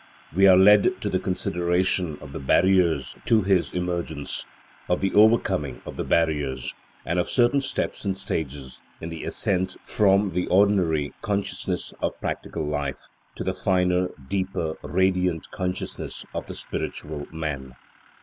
We are led to the consideration of the barriers to his emergence, of the overcoming of the barriers, and of certain steps and stages in the ascent from the ordinary consciousness of practical life, to the finer, deeper, radiant consciousness of the spiritual man.